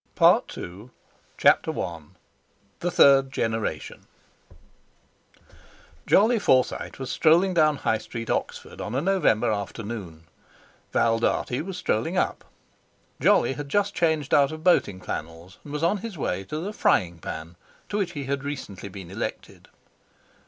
PART II CHAPTER I THE THIRD GENERATION Jolly Forsyte was strolling down High Street, Oxford, on a November afternoon; Val Dartie was strolling up. Jolly had just changed out of boating flannels and was on his way to the "Frying pan," to which he had recently been elected.